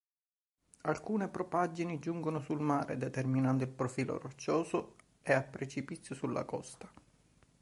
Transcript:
Alcune propaggini giungono sul mare determinando il profilo roccioso e a precipizio sulla costa.